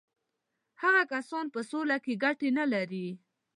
هغه کسان په سوله کې ګټې نه لري.